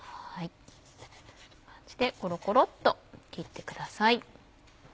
こんな感じでコロコロっと切ってください。